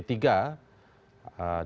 dalam hal ini